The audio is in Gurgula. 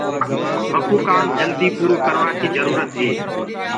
مڪوُ ڪآم جلد پورو ڪروآ ڪيٚ جرُورت هي۔